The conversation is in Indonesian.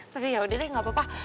tapi yaudah deh gak apa apa